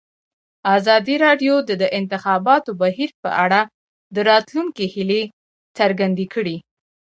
ازادي راډیو د د انتخاباتو بهیر په اړه د راتلونکي هیلې څرګندې کړې.